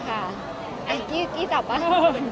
เป็นที่มาของคนเด็กที่อยากกระดับส่วนโดย